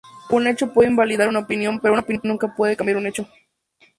Un hecho puede invalidar una opinión, pero una opinión nunca puede cambiar un hecho.